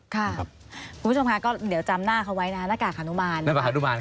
ค่ะคุณผู้ชมงานก็เดี๋ยวจำหน้าเขาไว้น่ะหน้ากากขนุมารหน้ากากขนุมารครับ